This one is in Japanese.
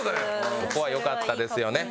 ここはよかったですよね。